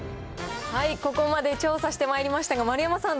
ここまで調査してまいりましたが、丸山さん